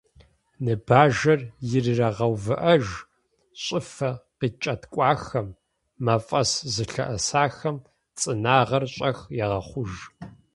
Ныбажэр ирырагъэувыӏэж, щӏыфэ къиткӏэткӏуахэм, мафӏэс зылъэӏэсахэм цӏынагъэр щӏэх егъэхъуж.